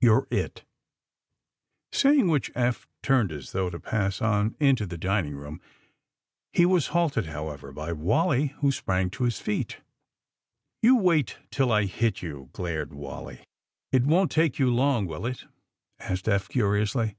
You 're it !" Saying which Eph turned as though to pass on into the dining room. He was halted, how ever, by Wally, who sprang to his feet. 24 THE SUBMAEINE BOYS ^^Yoii wait till I hit you!" glared Wally. *^It won't take you long, will itl'^ asked Ephi' curiously.